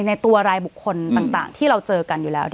ในตัวรายบุคคลต่างที่เราเจอกันอยู่แล้ว